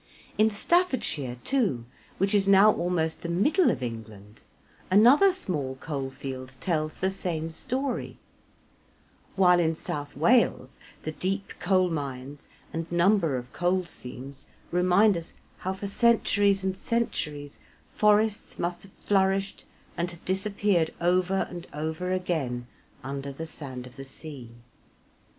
In Stafford shire, too, which is now almost the middle of England, another small coal field tells the same story, while in South Wales the deep coal mines and number of coal seams remind us how for centuries and centuries forests must have flourished and have disappeared over and over again under the sand of the sea.